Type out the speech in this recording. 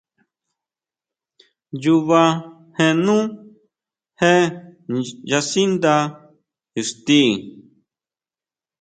Nnyuba jénú je nyasíndá ixti.